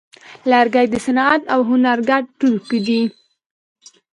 لرګی د صنعت او هنر ګډ توکی دی.